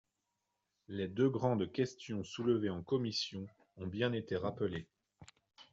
Les deux grandes questions soulevées en commission ont été bien rappelées.